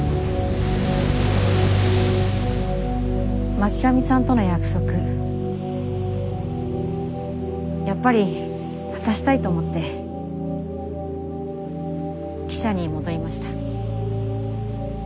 巻上さんとの約束やっぱり果たしたいと思って記者に戻りました。